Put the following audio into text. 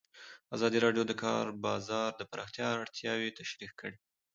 ازادي راډیو د د کار بازار د پراختیا اړتیاوې تشریح کړي.